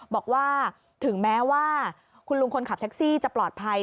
บอกว่าถึงแม้ว่าคุณลุงคนขับแท็กซี่จะปลอดภัย